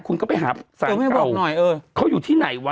คุณก็ไปหาศาลเก่าเค้าอยู่ที่ไหนวะ